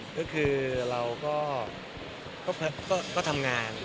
ก็คือเราก็ทำงาน